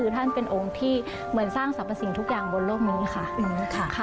ท่านเป็นองค์ที่เหมือนสร้างสรรพสิ่งทุกอย่างบนโลกนี้ค่ะ